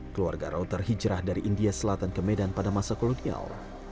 keluarga rauter hijrah dari india selatan ke medan pada masa kolonial